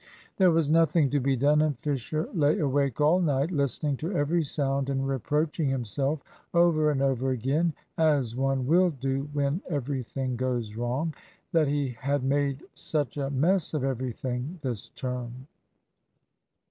There was nothing to be done, and Fisher lay awake all night, listening to every sound, and reproaching himself over and over again (as one will do when everything goes wrong) that he had made such a mess of everything this term.